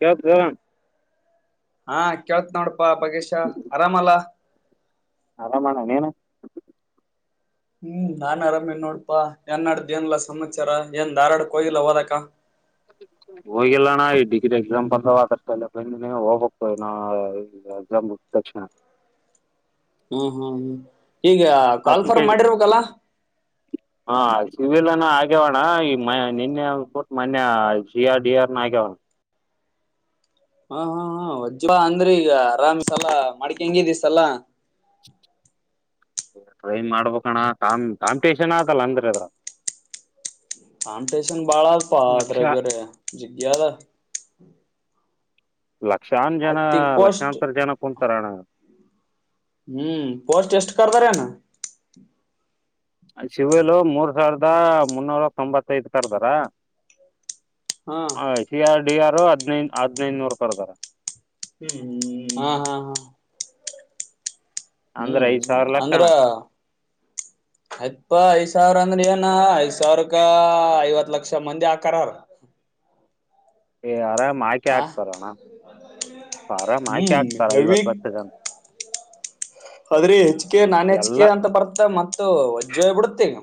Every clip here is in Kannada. ಕೇಳ್ತದ್ ಹೇಳಣ ಹಾ ಕೇಳ್ತ್ ನೋಡ್ ಪ್ಪಾ ಪಗೇಶ ಆರಾಮಲ ಬ ಆರಾಮಣ ನೀನು. ಹ್ಮ್ ನಾನ್ ಆರಾಮಿನ್ ನೋಡ್ಪಾ ಏನ್ಡತಿ ಏನ್ಲ್ ಸಮಾಚಾರ ಏನ್ ಧಾರವಾಡ್ ಕೋಯಿಲ್ಲ ಓದಕ್ಕ. ಹೋಗಿಲ್ಲಣ ಈ ಡಿಗ್ರಿ ಎಕ್ಸಾಮ್ ಬಂದವ್ ಅದ್ರ್ಸ್ಳೆ ಬಂದಿನಿ ಹೋಗಬೇಕು ಎಕ್ಸಾಮ್ ಮುಗಿದ್ ತಕ್ಷಣ. ಹ್ಮ್ ಹ್ಮ್ ಹ್ಮ್. ಈಗ ಕಾಲ್ಫಾರಂ ಅಪ್ಲಿಕೇಶನ್ ಮಾಡಿರ್ಬೇಕಲ್ಲ. ಸಿ ವಿ ಲ್ ನ ಆಗ್ಯವಣ ಈಗ ಮಯ್ ನಿನ್ನೆ ಅವ್ನ ಕೊಟ್ಟ ಮೊನ್ನೆ ಸಿ ಆರ್ ಡಿ ಆರ್ ನ ಆಗ್ಯವ್. ಹಾ ಹಾ ಹಾ ವಜ್ವಾ ಅಂದ್ರೆ ಈಗ ಆರಾಮಸಲ ಮಾಡಕಂಗೆದಿಸಲ್ಲ. ಟ್ರೈನ್ ಮಾಡ್ಬೇಕಣ್ಣ ಕಾಮ್ ಕಾಂಪ್ಟೇಷನ್ ಆತಲ್ಲ ಅಂದ್ರೆ ಅದ್ರಗ್ ಕಾಂಪ್ಟೇಶನ್ ಬಾಳ ಅದ್ಪ ಆದ್ರೆಗ್ ಬೇರೆ ಜಗ್ಯದ. [inaudible] ಲಕ್ಷಾಂನ್ ಜನ ಪೋಸ್ಟ್ ಲಕ್ಷಾಂತರ ಜನ ಕುಂತಾರಣ. ಹ್ಮ್ ಪೋಸ್ಟ್ ಎಷ್ಟ ಕರ್ದರೆನ. ಶಿ ವಿ ಲು ಮೂರ್ ಸಾವಿರದ ಮುನ್ನೂರ ತೊಂಬತ್ತೈದ ಕರ್ದಾರ. ಹಾ ಅಯ್ ಟಿ ಆರ್. ಟಿ ಯಾರು ಹದ್ನೈದ್ ಹದ್ನೈದ್ ನೂರು ಕರ್ದಾರ. ಹ್ಮ್ ಹ್ಮ್ ಹಾ ಹಾ ಹಾ ಅಂದ್ರೆ ಹ್ಮ್ ಐದ್ ಸಾವಿರ ಅಂದ್ರ ಲೆಕ್ಕಣ [unintelligible] ಅಪ್ಪ ಐದ್ ಸಾವಿರ ನೇನಾ ಐದ್ ಸಾವಿರಕ ಐವತ್ ಲಕ್ಷ ಮಂದಿ ಆಕಾರಾರ. ಆರಾಮ್ ಮೈಕೆ ಹಾಕ್ತಾರಣ [unintelligible] ಪಾರಮ್ ಆಕೆ ಹ್ಮ್ ಹಾಕ್ತಾರ ಹೆವಿ ಐವತ್ ಲಕ್ಷ ಜನ್ ಅದ್ರಿ ಹೆಚ್ ಕೆ ನಾನ್ ಹೆಚ್ ಎಲ್ಲ ಕೆ ಅಂತ ಬರ್ತ ಮತ್ತ ವಜ್ಜೋಗಿ ಬುಡ್ತ ಈಗ.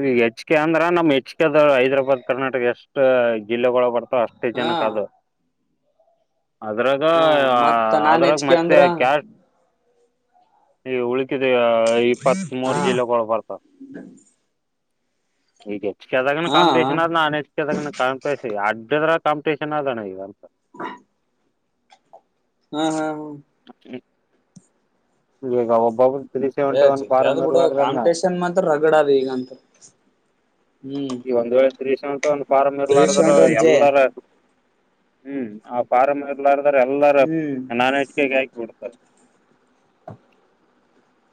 ರೀ ಹೆಚ್ಕೆ ಅಂದ್ರ ನಮ್ ಹೆಚ್ಕ್ ದು ಹೈದ್ರಾಬಾದ್ ಕರ್ನಾಟಕ ಎಷ್ಟ ಜಿಲ್ಲೆಗಳ ಬರತ್ ಟ ಅಷ್ಟ ಹಾ ಜನಕ್ಕ ಅದು. ಅದ್ರಾಗ ಹಾ ಮತ್ತ ನಾನ್ ಅದ್ರಾಗ್ ಹೆಚ್ಕೆ ಮತ್ತೆ ಅಂದ್ರ ಕ್ಯಾಶ್ [unintelligible] ಇವ್ ಉಲ್ ದುವು ಹ ಇಪ್ಪತ್ ಮೂರು ಹಾ ಜಿಲ್ಲೆಗಳು ಬರ್ತವ. [unintelligible] ಈಗೆ ಕೆದ ಹಾ ಕಂಪಿಟೇಷನ್ ಆದ ನಾನ್ ಹೆಚ್ಕೆದಗನ ಕಂಪಿಟೇಷನ್ ಯಡ್ ಕಾಂಪಿಟೇಷನ್ ಆದಣ ಈಗ ಅಂತ. [inaudible] ಹಾ ಹಾ ಹ್ಮ [unintelligible] ಈಗೀಗ ಒಬ್ಬಬರ್ ಏ ಜೆಗ್ಗ್ಯದ ಬುಡು ಕಾಂಪಿಟೇಷನ್ ಮಾತ್ರ ರಗಡ ಅದ ಈಗಂತು [unintelligible] ಹ್ಮ್ ಈ ಒಂದ್ ವೇಳೆ three seventy one form three ಇರ್ಲಾರದ್ರ ಸೆವೆಂಟಿ ಒನ್ ಜೆ ಎಲ್ಲರ್ ಹ್ಮ್ ಆ ಪರಮ್ ಇರ್ಲಾದ ರ ಎಲ್ಲರ ಹ್ಮ್ ನನ್ ಹೆಚ್ಕೆಗೆ ಆಕ್ಬಿಟ್ರ. [unintelligible]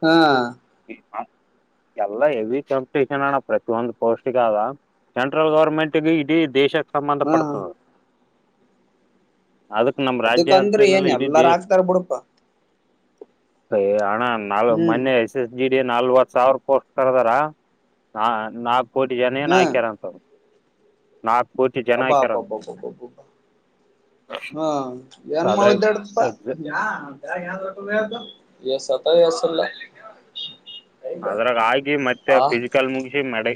ಹಾ [unintelligible] ಎಲ್ಲ ಎವಿ ಕಾಂಪಿಟಷನ್ ಅಣ್ಣ ಪ್ರತಿಯೊಂದು ಪೋಸ್ಟ್ಗೆ ಅದ ಸೆಂಟ್ರಲ್ ಗೌರ್ಮೆಂಟ್ಗ ಇಡೀ ದೇಶ ಹಾ ಸಂಬಂಧಪಡ್ತದ ಅದಕಂದ್ರೆ ಏನ್ ಎಲ್ಲಾರ ಆಕ್ತಾರ ಬುಡಪ [unintelligible] ಏ ಅಣ ನಾಲ್ ಹ್ಮ್ ಮನೆ ಇಸ್ ಜಿ ಡಿ ನಲ್ವಹತ್ಸಾವ್ರ ಪೋಸ್ಟ್ ಕರ್ದರ [unintelligible] ನಾ ನಾಕ್ ಕೋಟಿ ಜನ ಏನ್ ಹಾ ಹಾಕ್ಯಾರಂತ. ನಾಕ್ ಕೋಟಿ ಜನ ಅಬ್ಬಾ ಅಬ್ಬಾ ಆಕ್ಯರಂತ. ಅಬ್ಬಾ ಅಬ್ಬಾ ಅಬ್ಬಾ ಹಾ ಎಮ್ಮ್ದಾಡಪ್ಪ ಯಾ ಯಾ [unintelligible] ಎಸ್ ಏಸಿಲ್ಲ ಅದ್ರಾಗ ಆಗಿ ಮತ್ತೆ ಫಿಸಿಕಲ್ ಮುಗಿಸಿ ಮೆಡ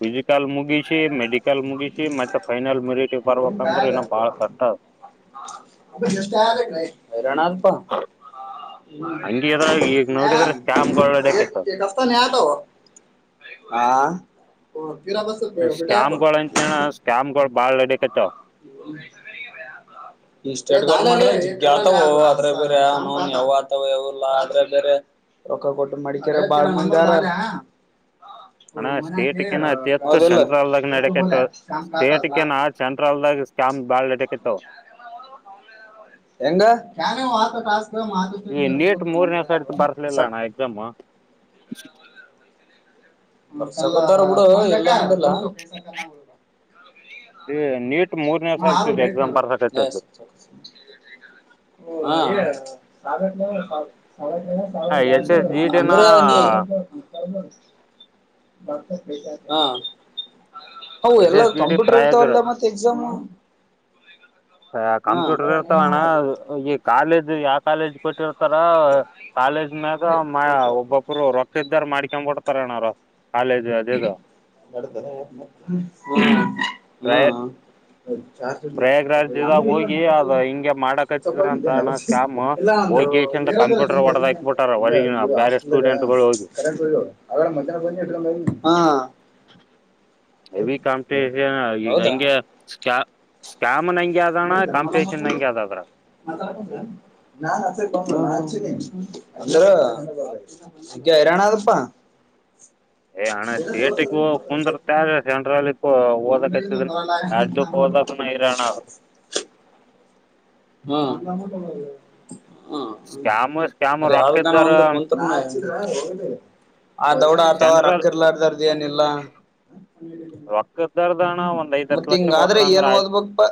ಫಿಸಿಕಲ್ ಮುಗಿಸಿ ಮೆಡಿಕಲ್ ಮುಗಿಸಿ ಮತ್ತೆ ಫೈನಲ್ ಮರಿಟಿ ಬರ್ಬೇಕಂದ್ರೆ ಇನ ಬಾಳ ಕಷ್ಟದ. [unintelligible] ಐರಣ ಆದ್ಪ. ಹಂಗಿದ್ರ ಈಗ ನೋಡಿದ್ರೆ ಸ್ಕ್ಯಾಮ್ಗಳು ನಡಕೈತದ [unintelligible] ಹಾ ಪೊ ಸ್ಕ್ಯಾಮ್ಗಳ ಅಂತ್ನ್ಯನ ಸ್ಕ್ಯಾಮ್ಗಳ್ ಬಾಳ್ ನಡೆ ಕತೆವ. ಓ ಅದ್ರಗ ಬೇರೆ ಅವ್ನೌನ್ ಯಾವಾಗ್ ಆತವ ಯವುಲ್ಲ ಆದ್ರೆ ಬೇರೆ ರೊಕ್ಕ ಕೊಟ್ಟು ಮಡಿಕ್ಯರ ಬಾಳ ಮಂದಿ ಆರ. ಅಣ ಸ್ಟೇಟ್ ಕಿನ ಅತಿ ಹೆಚ್ಚು ಹೌದಿಲ್ಲ ಸೆಂಟ್ರಲ್ದಾಗ ನಡೇಕೈತ ಸ್ಟೇಟ್ ಕಿನ ಸೆಂಟ್ರಲ್ದಾಗ ಸ್ಕ್ಯಾಮ್ ಬಾಳ್ ನಡೇಕತ್ತಾವ್. ಹೆಂಗ [unintelligible] ಈ ನೀಟ್ ಮೂರ್ನೆ ಸರ್ತಿ ಬರ್ಸ್ಲಿಲ್ಲಣ್ಣ ಎಕ್ಸಾಮು. [inaudible] ತರ ಬುಡು ಇಲ್ಲಂದಿಲ್ಲ [unintelligible] ಇ ನೀಟ್ ಮೂರನೇ [unintelligible] ಸರ್ತಿ ಎಕ್ಸಾಮ್ ಏ [unintelligible] ಬರ್ಸಕತ್ತದ್ದು ಹ ಸಾಗತ ಸಾ [unintelligible] ಎಸ್ ಎಸ್ ಜಿ ಡಿನ ಅಂದ್ರ ನೀ [unintelligible] ಹ ಅವು ಎಸ್ ಎಲ್ಲ ಎಸ್ ಜಿ ಡಿ ಕಂಪ್ಯೂಟರ್ ಪ್ರಾಯಗರ ಇರ್ತಾವಲ್ಲಾ ಮತ್ತ ಎಕ್ಸಾಮು ಹ ಕಂಪ್ಯೂಟರ್ ಇರ್ತಾವಣ್ಣ ಈ ಕಾಲೇಜ್ ಇ ಯಾ ಕಾಲೇಜ್ ಕೊಟ್ಟಿವ್ ತರ ಕಾಲೇಜ್ ಮ್ಯಾಗ ಮ ಒಬ್ಬೊಬ್ಬರು ರೋಕ್ಕಿದ್ದರ ಮಾಡ್ ಕ ಕೊಡ್ತಾರಣ ಅವ್ರು. ಕಾಲೇಜ್ ಅದೇದು [unintelligible] ಹ್ಮ್ ಹ ಪ್ರಯ ಹ ಪ್ರಯಾಗ್ರಾಜ್ದಾಗ ಹೋಗಿ ಅದ್ ಹಿಂಗೆ ಮಾಡಕತ್ತಿದ್ರ ಅಂತ ಅಣ್ಣ ಸ್ಕ್ಯಾಮ್ ಹೋಗಿಸಿಂದ ಕಂಪ್ಯೂಟರ್ ಒಡದ ಹಾಕ್ಬಿಟ್ಟಾರ ಹೊರಗಿನ ಬೇರೆ ಸ್ಟೂಡೆಂಟ್ಗಳು ಹೋಗಿ [unintelligible] ಹಾ ಎವಿ ಕಾಮ್ಟೇಷನ್ ಈಗ ಹಂಗೆ ಸ್ಕ್ಯಾ ಸ್ಕ್ಯಾಮ್ [inaudible] ಅಂದ್ರ [inaudible] ಗೆ ಐರಣ್ ಅದಪ ಏ ಅಣ್ಣ ಸ್ಟೇಟಗೋಗ್ ಕುಂದ್ರಿತ್ತಾ ಸೆಂಟ್ರಲ್ಕ್ ಕೊ ನಮ್ದು ಏನು ಓದಕ್ಕತ್ತಿದ್ರು ಬರಲ್ಲ ಎಡ್ಡಾಕು ನಾನು ಓದಕ್ಕೂ ಐರಣ ಆದ. ಹ ಹ [unintelligible] ಸ್ಕ್ಯಾಮ್ ಸ್ಕ್ಯಾಮ್ ಅದೆ ಯಾವ್ದಕನ ರೊಕ್ಕಿದ್ದಾರ ಒಂದ್ ಕುಂತ್ರುನೂ [unintelligible] ಆ ದೌಡ ಆಥವಾ ಸೆಂಟ್ರಲ್ ರೋಕ್ಕಿರ್ಲರ್ದರ್ದೆನ್ ಏನಿಲ್ಲ ರೊಕ್ಕದ್ದಾರದಣ ಒಂದ್ ಐದ್ [unintelligible] ಹತ್ತು ಮತ್ ಲಕ್ಷ ಹಿಂಗ್ ಆದ್ರೆ ಕೊಟ್ರ ಅಂದ್ರ ಏನು ಆಯ್ತು ಒದ್ಬೇಕಪ್ಪ [unintelligible]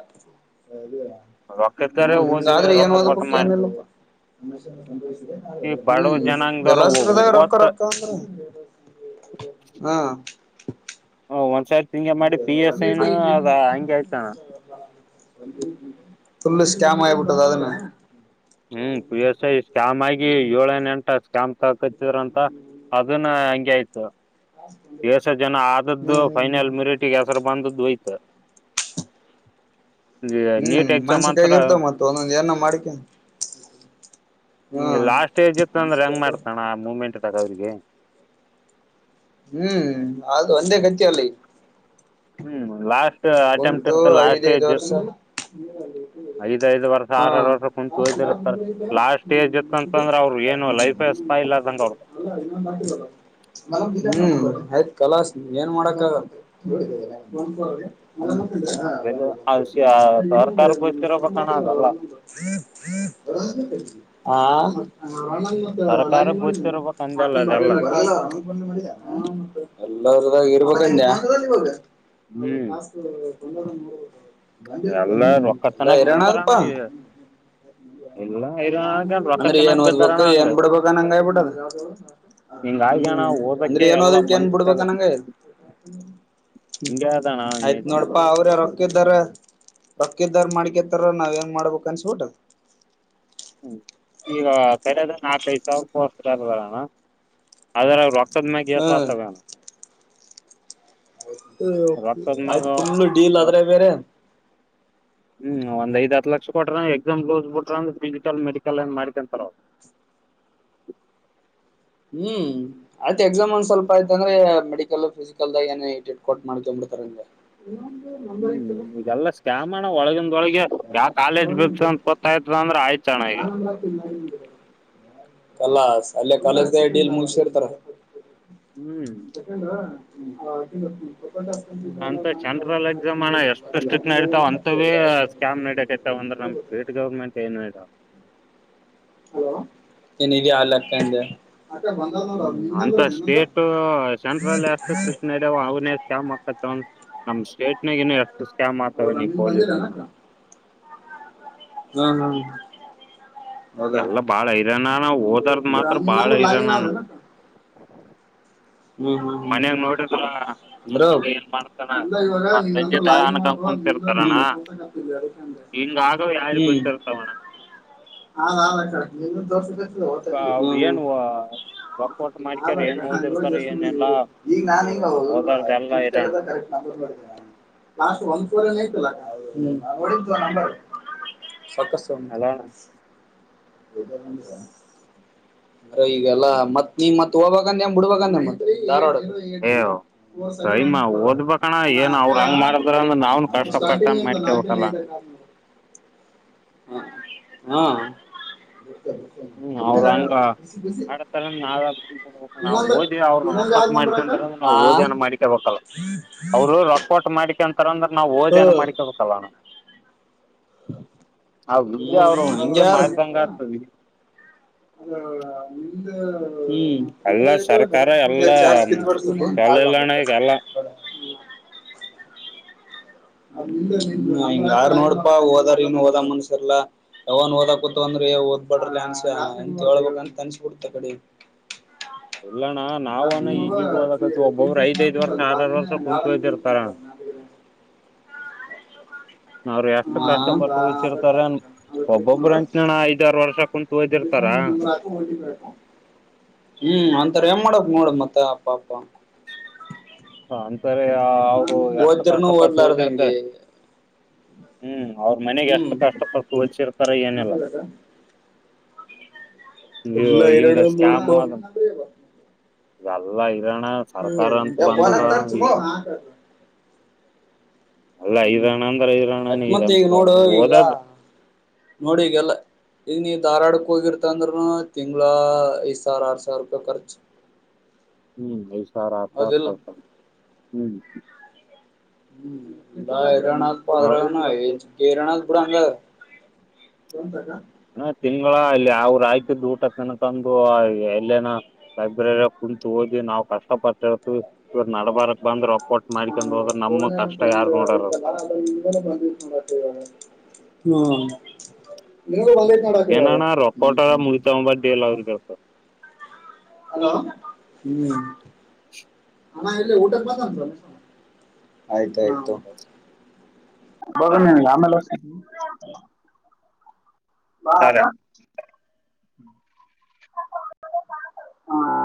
ರೊಕ್ಕ ಇದ್ದಾರೆ ಹ್ಮ್ ಓದಿ ಹಿಂಗಾದ್ರೆ ಏನು ರೊಕ್ಕ ಕೊಟ್ಟ ಓದ್ಬೇಕು ಮಾಡಿ ಏನಿಲ್ಲಪ್ಪ ಈ [unintelligible] ಬಡವ ಹ್ಮ್ ಜನಾಂಗದವ್ರ ಜಲಾಶರದಾಗ ರೊಕ್ಕ ಓದ್ತ ರೊಕ್ಕ ಅಂದ್ರ [unintelligible] ಹಾ ಹ ಒನ್ ಸ ಹಿಂಗೆ ಮಾಡಿ ಪಿ ಎಸ್ ಐ ನೂ ಅದ ಅಂಗೆ ಆಯ್ತು ಅಣ. ಫುಲ್ಲು ಸ್ಕ್ಯಾಮ್ ಐಗ್ಗ್ಬಿಟ್ಟದ ಅದುನು. ಹ್ಮ್ ಪಿ ಎಸ್ ಐ. ಸ್ಕ್ಯಾಮಾಗಿ ಯೋಳೆನ್ ಎಂಟಾ ಕ್ಯಾಂಪ್ ಹಾಕ್ಕತ್ತಿದ್ರಂತ ಅದುನು ಹಂಗೆ ಆಯ್ತು. ದೇಶ ಜನ ಹ್ಮ್ ಆದದ್ದು ಹ್ಮ್ ಫೈನಲ್ ಮಿರಿಟಿಗೆ ಎ ತರ ಬಂದುದ್ ಒಯ್ತು. ಹ್ಮ್ ಮನ್ಸಿಕ್ಕಾಗಿರ್ತವ ಮತ್ತ ಒಂದೊಂದ್ ಏನನ ಮಾಡಿಕೆಂಡ್ [unintelligible] ಹ್ಮ ಲಾಸ್ಟೇಜ್ ಇತ್ತಂದ್ರ ಹೆಂಗ್ ಮಾಡ್ತಾನ ಆ ಮೂಮೆಂಟ್ದಗ ಅವ್ರಿಗೆ. ಹ್ಮ್ ಅದು ಒಂದೇ ಗತ್ತಿಯಲ್ಲ ಈಗ ಹ್ಮ್ ಲಾಸ್ಟ್ ಅಟೆಂಪ್ಟ್ ಒಂತು ಇತ್ತು ಲಾಸ್ಟ್ ಐದೈದು ಏಜ್ ವರ್ಷ ಇತ್ತು [unintelligible] ಐದ್ ಐದ್ ವರ್ಷ ಹ ಆರ ಆರ್ ವರ್ಷ ಕುಂತು ಓದಿರ್ತಾರ ಲಾಸ್ಟ್ ಏಜ್ ಇತ್ತ ಅಂತಂದ್ರ ಅವ್ರ ಏನು ಲೈಫ್ ಸ್ಪಾಯಿಲ್ ಆದಂಗ ಅವ್ರ [unintelligible] ಹ್ಮ ಆಯ್ತ್ ಕಲಾಸ್ ಏನ್ ಮಾಡಕ್ಕಾಗದ [unintelligible] [unintelligible] ಸರ್ಕಾರಕ್ಕೆ ಗೊತ್ತಿರಬೇಕಣ ಅದೆಲ್ಲ ಹಾ [unintelligible] [unintelligible] ಸರ್ಕಾರ ಗೊತ್ತಿರ್ಬೇಕ್ ಅಂದಲ್ಲ ಅದೆಲ್ಲ ಎಲ್ಲರದಗ ಇರ್ಬೆಕ್ ಅಂಗಡ್ಯ ಹ್ಮ್ [unintelligible] [unintelligible] ಎಲ್ಲಾ ರೊಕ್ಕ ಎಲ್ಲ ತನಕ್ ಐರಣದಪ ಬಿದ್ದಾರಣ [unintelligible] ಎಲ್ಲಾ ಇರಕನ್ ರೊಕ್ಕ ಅಂದ್ರೆ ಏನ್ ತಿನ್ನಕ್ ಬಿದ್ದಾರಣ ಓದ್ಬೇಕು ಹಂಗ ಏನ್ ಬಿಡ್ಬೇಕನ್ಂಗಯ್ಬಿಟ್ಟದ [unintelligible] ಹಿಂಗಾಗಿ ಅಣ್ಣ ಹ್ಮ ಅಂದ್ರೆ ಓದಕ್ಕೆ ಏನ್ ಎಲ್ಲಾ ಓದ್ಬೇಕ ಏನ್ ಮನ್ಸ ಬಿಡ್ಬೇಕ್ ಅನಂಗಾಗ್ಯದ ಹಂಗೆ ಅದಣ [unintelligible] ಆಯ್ತು ನಿಯತಿ ನೋಡಪಾ ಅವ್ರೆ ರೋಕ್ಕಿದ್ದೋರು. ರೊಕ್ಕಿದ್ದೋರ್ ಮಾಡ್ಕೇತರ ನಾವ ಏನ್ ಮಾಡ್ಬೇಕ ಅನ್ಸಬುಟ್ಟದ. ಹ್ಮ್ ಈಗ ಕರದ ನಾಕ್ ಐದ್ ಸಾವಿರ ಪೋಸ್ಟ್ ಕರ್ದರಣ [unintelligible] ಅದ್ರರೊ ಕದ ಮ್ಯಾಗ ಎಸ್ ಆತವೆನಣ. [unintelligible] ಹ ರೊಕ್ಕದ ಮ್ಯಾಗ ಆಯ್ತ್ ಫುಲ್ ಡೀಲ್ ಅದ್ರಗ ಬೇರೆ. ಹ್ಮ್ ಒಂದ್ ಐದ್ ಹತ್ ಲಕ್ಷ ಕೊಟ್ರ ಎಕ್ಸಾಮ್ ಕ್ಲೋಸ್ ಬಿಟ್ರ ಅಂದ್ರ ಫಿಸಿಕಲ್ ಮೆಡಿಕಲ್ ಏನ್ ಮಾಡಿಕಂತರ ಅವ್ರು. ಹ್ಮ್ ಆಯ್ತ ಎಕ್ಸಾಮ್ ಒಂದ್ ಸ್ವಲ್ಪ ಆಯ್ತ ಅಂದ್ರೆ ಮೆಡಿಕಲ್ ಫಿಸಿಕಲ್ದಾಗ ಏನ ಈಟ್ ಇಟ್ ಕೊಟ್ಟು ಮಾಡ್ಕೊಬಿಡ್ತರ ಹಂಗೆ. ಇನ್ನೊಂದು ನಂಬರ್ ಹ್ಮ್ ಇತ್ತಲ್ಲ ಈಗೆಲ್ಲ ಸ್ಕ್ಯಾಮ್ ಅಣ ಒಳಗಿಂದೊಳಗೆ. ಯಾ ಕಾಲೇಜ್ ಫಿಕ್ಸ್ ಅಂತ್ ಗೊತ್ತಾಯ್ತದ ಅಂದ್ರೆ ಆಯ್ತ್. [unintelligible] ಕಲಾಸ್ ಅಲ್ಲೇ ಕಾಲಜ್ದ ಡೀಲ್ ಮುಗಸಿರ್ತಾರ. ಹ್ಮ್ [unintelligible] [unintelligible] ಅಂತ ಸೆಂಟ್ರಲ್ ಎಕ್ಸಾಮ್ ಅಣ್ಣ ಎಷ್ಟು ಸ್ಟ್ರಿಕ್ಟ್ ನಡತಾವ ಅಂತವೇ ಸ್ಕಾಮ್ನಡಕ್ತವ ಅಂದ್ರ ನಮ್ ಸ್ಟೇಟ್ ಗೌರ್ಮೆಂಟ್ ಏನು ಇದ್. ಹಲೋ ಎನಿಗೆ ಹಾಲಕ್ಕಂಡ. ಹ್ಮ್ ಅಂತ ಸ್ಟೇಟು ಸೆಂಟ್ರಲ್ ಎಷ್ಟತ ನಡವೆ ಅವನ ಸ್ಕ್ಯಾಮ್ಕ್ಕತ್ತವ ನಮ್ ಸ್ಟೇಟ್ ನಗ ಇನ್ನು. ಎಷ್ಟು ಸ್ಕ್ಯಾಮ್ ಅವ ಆಗ್ತವೆ ನೀ ನನ್ ಪೊಲೀಸ್ ಬಂದಿಲ್ಲೆನಕ ಹ ಹ. ಎಲ್ಲ ಬಾಳ ಐರಾನ ನಾ ಓದಾರದ ಮಾತ್ರ ನಿನ್ ಬಾಳ ನಂಬರ್ ಲಾಗಿನ್ ಐರಣನ್. ಆದೇನ ಅಕ್ಕ. ಹ್ಮ್ ಹ್ಮ್ ಹ್ಮ್ ಮನ್ಯಾಗ ನೋಡಿದ್ರ ನ ಅಂದ್ರ ಏನ್ ಮಾಡ್ತಾನ ಇಲ್ಲ ಇವಾಗ ಮತ್ ನಿನ್ ಸಂಜೆ ನಂಬರ್ ಲಾಗಿನ್ ತನ್ಕಂ ಮಾಡ್ಕೊ ನಿಂದ ಕುಂತಿರ್ತಾರಣ್ಣ ನಂಬರ್ ತೋರ್ಸಕತ್ತಿಲ್ಲ ಅದಕ್ಕೆ ಅಂದೆ. ಹಿಂಗಾಗ ಯಾರಿ ಗೊತ್ತಿರ್ತಾವಣ್ಣ. ಹಾ ನಾ ಲಕ್ಷಿ ಇ ದೋಸ. ಸ್ ಹ್ಮ್ ಅವ್ರ ಏನ್ ಹ್ಮ್ ರೊಕ್ಕೊಟ್ಟು ಮಾಡ್ಕ್ಯಾರ ಏನ್ ಓದಿರ್ತಾರ ಏನೆಲ್ಲಾ [unintelligible] ಈಗ ನಾನ ಹಂಗ ಓದಾರ್ದ ಎಲ್ಲ ಗಪ್ ಇರೋಣ ಕರೆಕ್ಟ್ ನಂಬರ್ ಮಾಡಿದ್ದೇನೆ ಲಾಸ್ಟ್ ಒನ್ ಫೋರ್. [unintelligible] ಸಾಕ ಸ. ಅದಣ ಮ ಈಗಲ್ಲ ಮತ್ತ್ ನೀವ್ ಮತ್ ಹೋಗಬೇಗಂದೆ ಬಿಡ್ಬಾಗಂದೆ ಮತ್ತೆ ಧಾರವಾಡ. ರ ಏ ಜೀರೋ ಫೋರ್ ಸೆವೆನ್ ಕೈಮ ಒನ್ ಫೋರ್ ಓದ್ಬೇಕಣ ಅಣ್ಣ ಏನ್ ಅವ್ರ ಹಂಗ್ ಮಾಡಿದ್ರ ಅಂದ್ರ ನಾವ್ನ್ ಅಕ್ಕ ಸ್ಟಾರ್ಟಿಂಗ್ ಕಷ್ಟಪಟ್ಟನ್ ನಿಂದು ನಾಕ ಮಾಡ್ಕೇಬೇಕಲ್ಲ ಐದು. ಹ. ಹ್ಮ್ ಅವ್ರ ಹಂಗ ಆಡತಾರಾವ [unintelligible] ನಾವ್ ಇನ್ನೊಂದು ಓದಿ ಅವರು ಇನ್ನೊಂದು ರೊಕ್ಕಾಟ್ಟ ಯಾವ್ದ್ ನಂಬರ್ ಆಯ್ತಾ ಮಾಡ್ಕಂತಾರಂದ್ರ ಆ ನಾವ್ ಓದಿನ ಮಾಡ್ಕಬೇಕಲ್ಲ ಅವ್ರು ರೊಕ್ಕಟ್ ಮಾಡ್ಕಂತಾರಂದ್ರ. ನಾವು ಓದನ ಮಾಡ್ಕೊಬೇಕಲ್ಲಣ. ಹ ವಿದ್ಯೆ ಅವರು ಹ್ಮ್ ಹಂಗೆ ವಿದ್ಯೆ ಮಾಡಾದಂಗಾತದಿ. ಅ ನಿಮ್ದ. ಎಲ್ಲಾ [unintelligible] ಸರ್ಕಾರ ಹ್ಮ್ ಎಲ್ಲಾ ಚಾರ್ಜ ಕಿತ್ಕೊಡ್ತೀನಿ ಚಲ ಆಗ್ಲೋ ಇಲ್ಲಣ್ಣ ಅಂಡರಡ್ ಈಗ ಪರ್ಸೆಂಟ್. ಎಲ್ಲ ಹ ಹಿಂಗ ಯಾರ ನೋಡಪಾ ಓದಾರ ಇನ್ ಓದ ಮನ್ಸರ್ಲ್ಲಾ ಯಾವನ್ ಓದ ಕುೂತವ ಅಂದ್ರೆ ಓದ್ಬಡ್ರಿ ಅನ್ಸ ಎಂತ ಹೇಳ್ಬೇಕಂತ ಅನ್ಸಬಿಡ್ತ ಕಡೆ ಇಲ್ಲಣ್ಣ ನಾವನ ಈಗಿಗ್ ಒಡಕತಿವ್ ಒಬ್ಬೊರ ರಿಫ್ರೆಶ್ ಐದೈದ್ ಮಾಡ್ಕೊಂಡ ವರ್ಷ ಅಲ್ಲಿ ಆರಾರ್ ಬಾಜುನೇ ವರ್ಷ ಯಾಡ್ ಅಂತ ಇರುತ್ ಕುಂತೋದಿರ್ತಾರ. ನೋಡ ಅವರು ಎಷ್ಟು ಹಾ ಕಷ್ಟಪಟ್ಟು ಅದ ಒದಿಸರ್ತಾರ ಏನ್ ಕ್ಲಿಕ್ ಒಬ್ಬೊಬ್ಬ್ರ ಮಾಡು ಅಂಚನಣ ಐದಾರು ವರ್ಷ ಕುಂತು ಕ್ಲಿಕ್ ಹೋದಿರ್ತಾರ. ಮಾಡಿ ನಿನ್ ನಂಬರ್ ಹಾಕು ಓ ಟಿ ಪಿ ಹಾಕು ಹ್ಮ್ ಅಂತರ ಏನ್ ಮಾಡಕ್ ನೋಡ ಮತ್ತ ಅಪ್ಪ ಅಪ್ಪ. ಹಾ ತಾರೆ ಅವ್ರು ಎಷ್ಟು ಕಷ್ಟ ಓದ್ರನು ಪಟ್ಟು ಓತಿರ್ತಾರೆ ಓದ್ಲಾರ್ದಂಗೆ ಹ್ಮ್. ಅವ್ರ ಮನೆಗೆ ಎಷ್ಟು ಹ್ಮ್ ಕಷ್ಟಪಟ್ಟ ಓದ್ಸಿರ್ ಸರ ಏನೆಲ್ಲ. ಇಲ್ಲ ಹಿಂಗ ಎರಡು ಮೂರುಪ. ಸ್ಕ್ಯಾಮ್ ಅದ ಎಲ್ಲಾ ಈ. ಹರಿಯಾಣ ಸರ್ಕಾರ. ಏ ಬಂದದ ಈ ಫೋನ್ಂತಚಪೊ. ಎಲ್ಲ ಹ್ಮ್ ಐರಣ ಅಂದ್ರ ಐರಣ ಅಕ್ ಮತ್ ಈಗ ಈಗಂತ್ರ ನೋಡು ಈಗ ಓದದ್ ನೋಡಿಗೆಲ್ಲ. ಈಂಗ ನೀ ಧಾರವಾಡ ಕ ಹೋಗಿರ್ತ ಅಂದ್ರನು ತಿಂಗ್ಗಳ ಐದ್ ಸಾವಿರ ಆರ್ ಸಾವಿರ ರೂಪಾಯಿ ಖರ್ಚು. ಹ್ಮ್ ಅ ಸರ ಹೌದಿಲ್ಲ [unintelligible] ಹ್ಮ್ ಹ್ಮ ಹ್ಮ್ ಬ ಐರಣಪ ಅವ ಐರಣ [unintelligible] ಕೇರನಾದ ಬುಡ ಅಂಗೆ. ಅ ತಿಂಗಳ ಇಲ್ಲಿ ಅವ್ರರು ಆಕಿದ್ದ ಊಟ ತಿನಕಂದು ಎಲ್ಲೇನ ಲೈಬ್ರರಿಯಾಗ ಕುಂತು ಓದಿ ನಾವ್ ಕಷ್ಟ ಪಟ್ಟ ಓದ್ತೀವಿ ಇವರು ನಡಬಾರಕ್ ಬಂದ್ರೊ [unintelligible] [unintelligible] ನೋಡಾರ ಹ್ಮ ನಿನಗೂ ಬಂದೈತ್ ನೋಡಕ ಇವಾಗ. ಏನಾನ ಹ್ಮ್ ರೊಕ್ಕೋಟರ ಹ್ಮ್ ಹ್ಮ್ ಮುಳತವ ಬಡ್ಡಿ ಇಲ್ಲ ಅವರಿಗೆ. ಹಲೋ ಹ್ಮ್. [inaudible] ಹ ಎ ಊಟಕ ಮಾತನ್ ತ ಆಯ್ತಾಯ್ತು ಅವ್ರಿಗೆ ಬಗಣನಿಲ್ಲ ಆಮೇಲೆ ಹಚ್ತತಿನಿ. [unintelligible] ಹಾ ಅತ. ಹ್ಮ